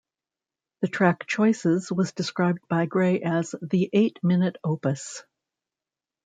The track "Choices" was described by Gray as "the eight-minute opus".